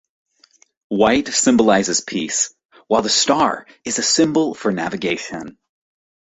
White symbolises peace, while the star is a symbol for navigation.